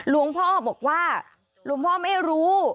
หลวงพ่อบอกว่าหลวงพ่อไม่รู้